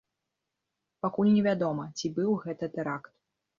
Пакуль невядома, ці быў гэта тэракт.